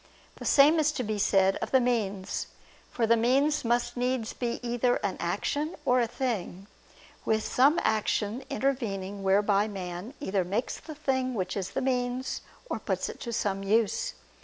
The same is to be said of the means. For the means must needs be either an action; or a thing, with some action intervening whereby man either makes the thing which is the means, or puts it to some use.